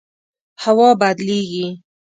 هوا بدلیږي